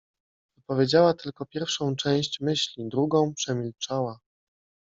Wypowiedziała tylko pierwszą część myśli, drugą przemilczała.